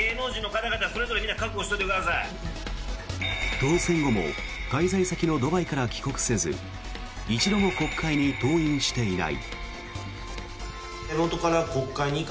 当選後も滞在先のドバイから帰国せず一度も国会に登院していない。